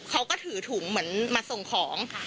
เขาก็ถือถุงเหมือนมาส่งของ